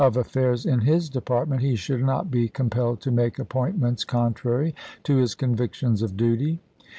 affairs in his department, he should not be com pelled to make appointments contrary to his con victions of duty.